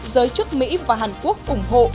giới chức mỹ và hàn quốc ủng hộ